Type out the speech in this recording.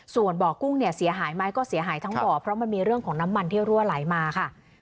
ส่วนบ่อกุ้งเนี่ยเสียหายไหมก็เสียหายทั้งบ่อเพราะมันมีเรื่องของน้ำมันที่รั่วไหลมาค่ะ